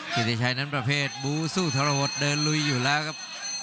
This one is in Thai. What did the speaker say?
กิจิชัยนั้นประเภทบูสู้ทรหดเดินลุยอยู่แล้วครับ